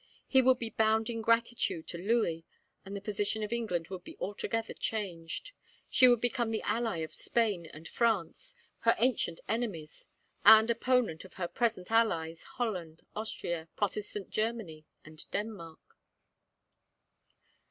He would be bound in gratitude to Louis, and the position of England would be altogether changed. She would become the ally of Spain and France, her ancient enemies; and opponent of her present allies, Holland, Austria, Protestant Germany, and Denmark."